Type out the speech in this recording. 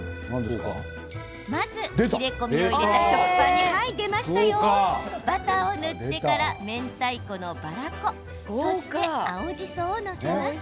まず、切れ込みを入れた食パンにバターを塗ってからめんたいこの、ばらこそして、青じそを載せます。